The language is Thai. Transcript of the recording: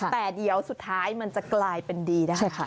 แต่เดี๋ยวสุดท้ายมันจะกลายเป็นดีได้ค่ะ